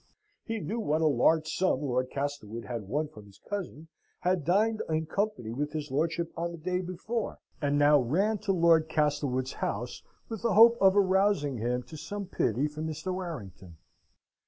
He knew what a large sum Lord Castlewood had won from his cousin, had dined in company with his lordship on the day before, and now ran to Lord Castlewood's house, with a hope of arousing him to some pity for Mr. Warrington.